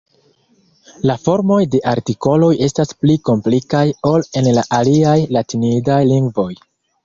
La formoj de artikoloj estas pli komplikaj ol en la aliaj latinidaj lingvoj.